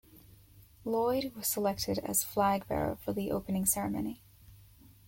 Lloyd was selected as flag bearer for the opening ceremony.